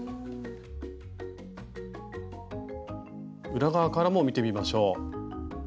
裏側からも見てみましょう。